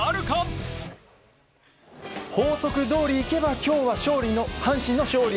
法則どおりいけば今日は阪神の勝利。